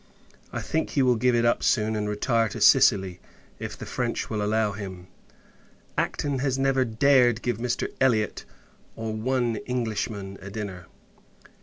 I think, he will give it up soon; and retire to Sicily, if the French will allow him. Acton has never dared give Mr. Elliot, or one Englishman, a dinner.